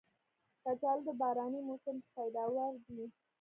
کچالو د باراني موسم پیداوار دی